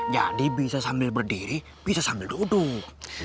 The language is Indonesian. jadi bisa sambil berdiri bisa sambil duduk